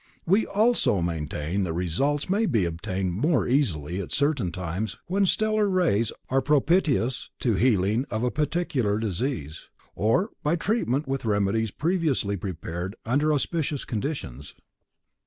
We also maintain that results may be obtained more easily at certain times when stellar rays are propitious to healing of a particular disease, or by treatment with remedies previously prepared under auspicious conditions.